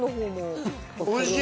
おいしい。